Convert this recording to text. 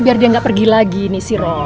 biar dia gak pergi lagi ini si roy